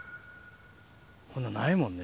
こんなんないもんね